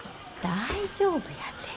大丈夫やて。